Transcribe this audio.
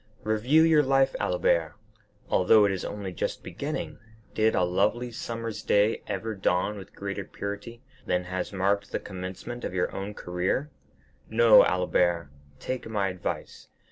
Review your life, Albert; although it is only just beginning, did a lovely summer's day ever dawn with greater purity than has marked the commencement of your career? No, Albert, take my advice.